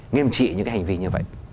nghiêm trị những cái hành vi như vậy